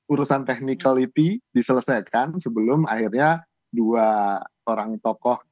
urusan technicality diselesaikan sebelum akhirnya dua orang tokoh